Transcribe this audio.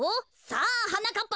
さあはなかっ